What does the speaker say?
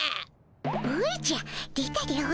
おじゃ出たでおじゃる。